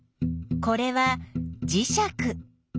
これはじしゃく。